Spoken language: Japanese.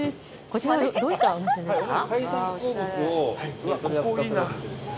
こちらどういったお店ですか？